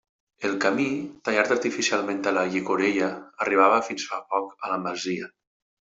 El camí, tallat artificialment a la llicorella, arribava fins fa poc a la masia.